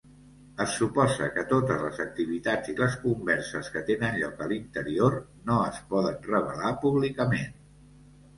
Es suposa que totes les activitats i les converses que tenen lloc a l'interior no es poden revelar públicament.